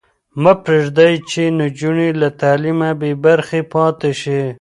مه پرېږدئ چې نجونې له تعلیمه بې برخې پاتې شي.